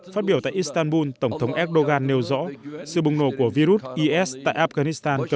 phát biểu tại istanbul tổng thống erdogan nêu rõ sự bùng nổ của virus is tại afghanistan